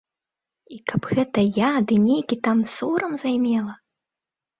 І каб гэта я ды нейкі там сорам займела?